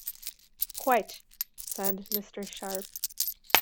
"Quite," said Mr. Sharp.